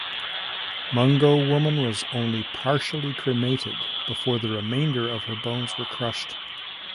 Mungo Woman was only partially cremated before the remainder of her bones were crushed.